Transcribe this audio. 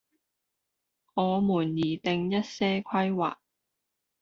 我們擬訂一些規劃